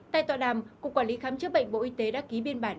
tại tòa đàm cục quản lý khám chức bệnh bộ y tế đã ký biên bản